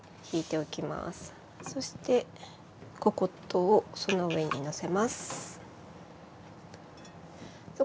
そしてココットをその上にのせます。